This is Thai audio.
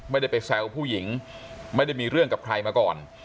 ไม่ได้ไปแซวผู้หญิงไม่ได้มีเรื่องกับใครมาก่อน